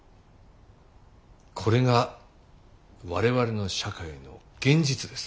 これが我々の社会の現実です。